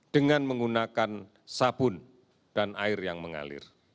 dengan menggunakan sabun dan air yang mengalir